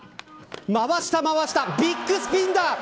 回した回した、ビッグスピンだ。